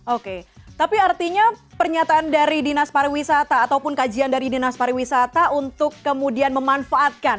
oke tapi artinya pernyataan dari dinas pariwisata ataupun kajian dari dinas pariwisata untuk kemudian memanfaatkan